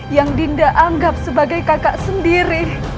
yang dinda anggap sebagai kakak sendiri